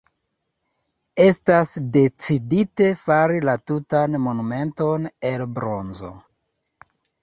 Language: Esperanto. Estas decidite fari la tutan monumenton el bronzo.